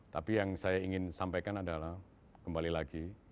tapi yang saya ingin sampaikan adalah kembali lagi